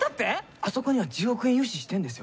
あそこには１０億円融資してるんですよ。